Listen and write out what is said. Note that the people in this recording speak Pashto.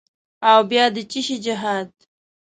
او بیا د چیشي جهاد؟